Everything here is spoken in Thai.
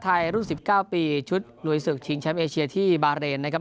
ไทยรุ่นสิบเก้าปีชุดรวยศึกอาเชียที่บารเรนนะครับ